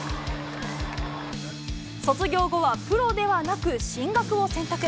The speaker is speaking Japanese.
卒業後は、プロではなく、進学を選択。